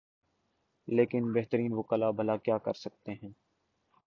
لیکن بہترین وکلا بھلا کیا کر سکتے تھے۔